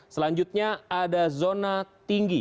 selanjutnya ada zona tinggi